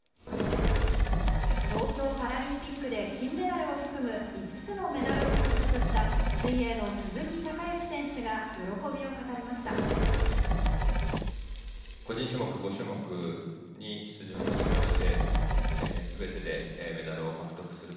東京パラリンピックで金メダルを含む５つのメダルを獲得した水泳の鈴木孝幸選手が喜びを語りました。